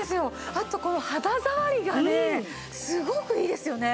あとこの肌触りがねすごくいいですよね！